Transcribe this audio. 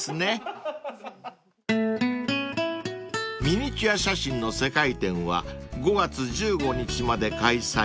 ［ミニチュア写真の世界展は５月１５日まで開催